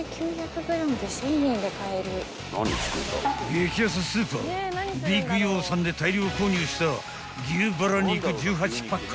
［激安スーパービッグヨーサンで大量購入した牛バラ肉１８パック